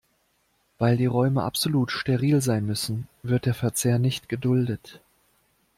Weil die Räume absolut steril sein müssen, wird der Verzehr nicht geduldet.